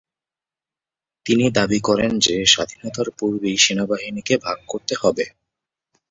তিনি দাবি করেন যে স্বাধীনতার পূর্বেই সেনাবাহিনীকে ভাগ করতে হবে।